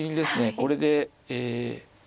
これでえ。